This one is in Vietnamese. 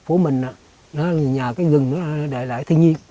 nó sanh sản con nó để lại thu nhập của mình nó nhờ cái rừng nó để lại thiên nhiên